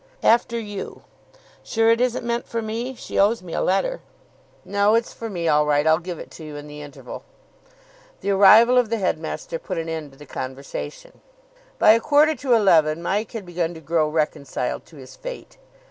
"After you. Sure it isn't meant for me? She owes me a letter." "No, it's for me all right. I'll give it you in the interval." The arrival of the headmaster put an end to the conversation. By a quarter to eleven Mike had begun to grow reconciled to his fate.